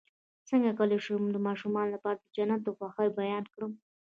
څنګه کولی شم د ماشومانو لپاره د جنت د خوښۍ بیان کړم